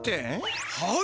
はい！